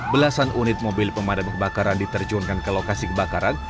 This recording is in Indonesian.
belasan unit mobil pemadam kebakaran diterjunkan ke lokasi kebakaran